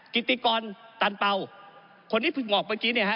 กิติกรตันเป่าคนที่เพิ่งบอกเมื่อกี้เนี่ยฮะ